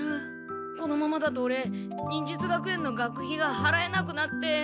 このままだとオレ忍術学園の学費がはらえなくなって。